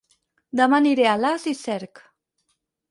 Dema aniré a Alàs i Cerc